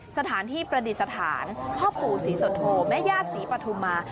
สถานที่ประดิษฐานพ่อปู่ศรีสุโธแม่ญาติศรีปฐุมา